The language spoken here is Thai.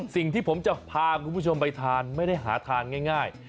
สิ่งที่ผมจะพาคุณผู้ชมไปทานไม่ได้หาทานง่าย